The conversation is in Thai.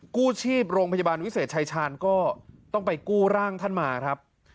กู้ชีพโรงพยาบาลวิเศษชายชาญก็ต้องไปกู้ร่างท่านมาครับ